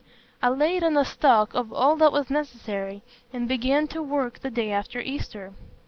I laid in a stock of all that was necessary, and began to work the day after Easter.